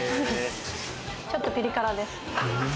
ちょっとピリ辛です。